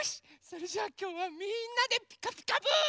それじゃあきょうはみんなで「ピカピカブ！」。